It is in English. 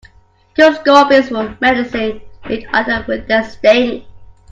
Two scorpions were menacing each other with their stings.